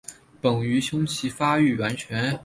本鱼胸鳍发育完全。